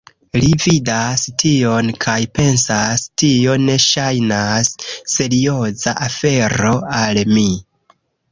Ili vidas tion kaj pensas "Tio ne ŝajnas serioza afero al mi"